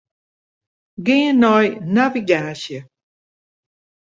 Gean nei navigaasje.